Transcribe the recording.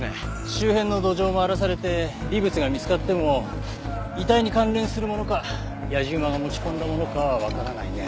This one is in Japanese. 周辺の土壌も荒らされて微物が見つかっても遺体に関連するものか野次馬が持ち込んだものかはわからないね。